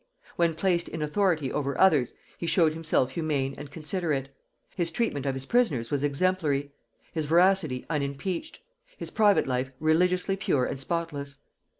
When placed in authority over others, he showed himself humane and considerate; his treatment of his prisoners was exemplary, his veracity unimpeached, his private life religiously pure and spotless.